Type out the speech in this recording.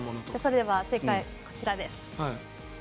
それでは正解はこちらです。